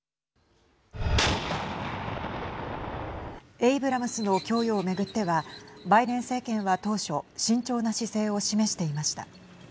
エイブラムスの供与を巡ってはバイデン政権は当初慎重な姿勢を示していました。